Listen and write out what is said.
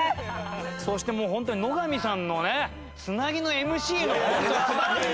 そしてもうホントに野上さんのね繋ぎのＭＣのホントに素晴らしさ！